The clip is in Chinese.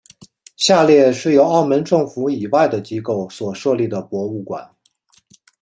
下列是由澳门政府以外的机构所设立的博物馆。